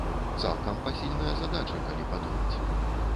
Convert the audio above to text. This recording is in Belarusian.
Цалкам пасільная задача, калі падумаць.